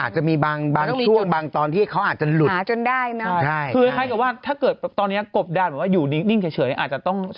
จะมีบางช่วงบางตอนที่เขาอาจจะหลุดหาจนได้เนอะ